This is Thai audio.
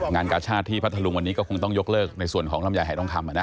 กาชาติที่พัทธรุงวันนี้ก็คงต้องยกเลิกในส่วนของลำไยหายทองคำ